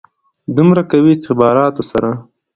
دومره قوي استخباراتو سره.